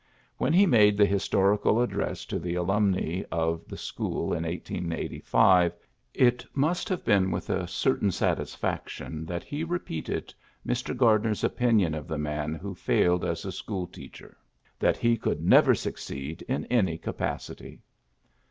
When he made the his torical address to the alumni of the school in 1885, it must have been with a certain satisfaction that he repeated Mr. Gardner's opinion of the man who failed as a school teacher, that he could never succeed in any capacity.